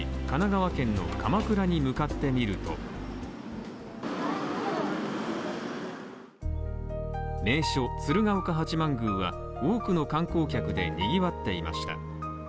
神奈川県の鎌倉に向かってみると名所・鶴岡八幡宮は、多くの観光客でにぎわっていました。